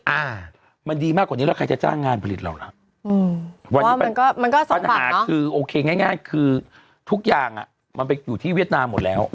อ่ามันดีมากกว่านี้แล้วใครจะจ้างงานผลิตเหรอวันนี้ปัญหาคือโอเคง่ายคือทุกอย่างมันอยู่ที่เวียดนามหมดแล้ว